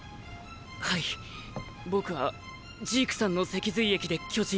はい僕はジークさんの脊髄液で巨人になりました。